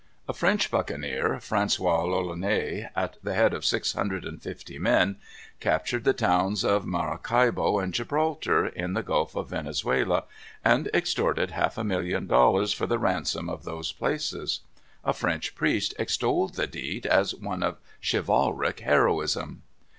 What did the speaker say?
A French buccaneer; Francois l'Olonnais, at the head of six hundred and fifty men, captured the towns of Maracaibo and Gibraltar, in the Gulf of Venezuela, and extorted half a million dollars for the ransom of those places. A French priest extolled the deed as one of chivalric heroism.